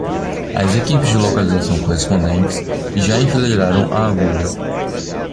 As equipes de localização correspondentes já enfileiraram a agulha.